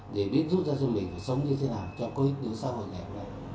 để biết giúp cho chúng mình sống như thế nào cho cơ hội xã hội này